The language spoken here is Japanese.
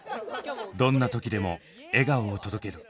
どんな時でも笑顔を届ける。